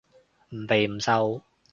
唔肥唔瘦